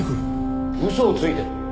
嘘をついている？